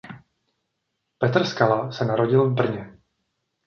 Petr Skala se narodil v Brně.